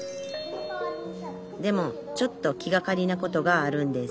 でもちょっと気がかりなことがあるんです